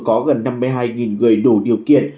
có gần năm mươi hai người đủ điều kiện